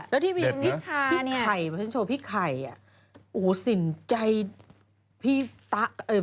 แล้วที่มีพี่ชาเนี่ยพี่ไข่แฟชั่นโชว์พี่ไข่อ่ะโอ้โหสินใจพี่ตาย